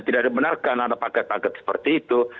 tidak dibenarkan ada paket paket seperti itu